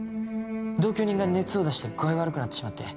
同居人が熱を出して具合悪くなってしまって。